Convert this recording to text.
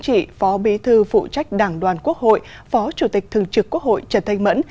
trị phó bí thư phụ trách đảng đoàn quốc hội phó chủ tịch thường trực quốc hội trần thanh mẫn